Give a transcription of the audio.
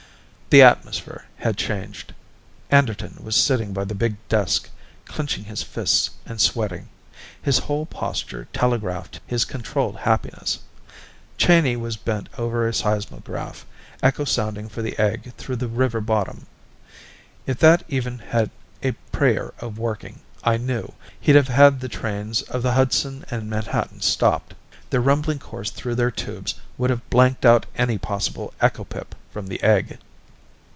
The atmosphere had changed. Anderton was sitting by the big desk, clenching his fists and sweating; his whole posture telegraphed his controlled helplessness. Cheyney was bent over a seismograph, echo sounding for the egg through the river bottom. If that even had a prayer of working, I knew, he'd have had the trains of the Hudson & Manhattan stopped; their rumbling course through their tubes would have blanked out any possible echo pip from the egg.